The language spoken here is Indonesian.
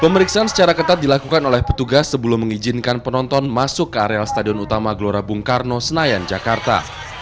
pemeriksaan secara ketat dilakukan oleh petugas sebelum mengizinkan penonton masuk ke areal stadion utama gelora bung karno senayan jakarta